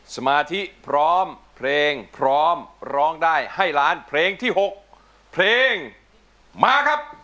สมาธิพร้อมเพลงพร้อมร้องได้ให้ล้านเพลงที่๖เพลงมาครับ